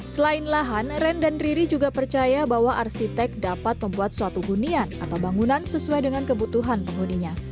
selain lahan ren dan riri juga percaya bahwa arsitek dapat membuat suatu hunian atau bangunan sesuai dengan kebutuhan penghuninya